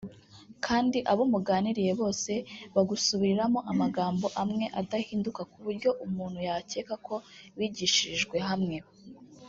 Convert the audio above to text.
Kandi abo muganiriye bose bagusubiriramo amagambo amwe adahinduka ku buryo umuntu yakeka ko bigishirijwe hamwe